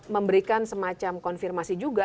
memberikan semacam konfirmasi juga